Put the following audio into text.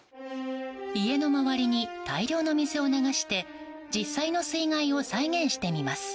家の周りに大量の水を流して実際の水害を再現してみます。